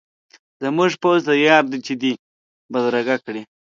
زموږ پوځ تیار دی چې دی بدرګه کړي.